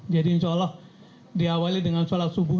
jadi insya allah diawali dengan sholat subuh